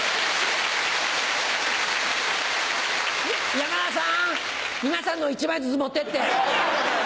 山田さん皆さんの１枚ずつ持ってって。